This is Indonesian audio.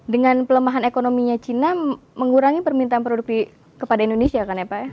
dengan pelemahan ekonominya china mengurangi permintaan produk kepada indonesia kan ya pak ya